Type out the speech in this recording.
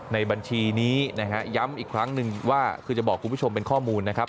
ในบัญชีนี้นะฮะย้ำอีกครั้งหนึ่งว่าคือจะบอกคุณผู้ชมเป็นข้อมูลนะครับ